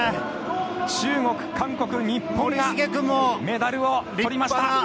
中国、韓国、日本がメダルをとりました！